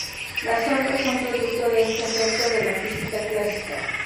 Los "orbes" son producto de este efecto de la física clásica.